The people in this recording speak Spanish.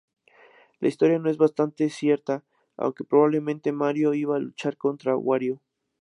La historia no es bastante cierta, aunque probablemente Mario iba a luchar contra Wario.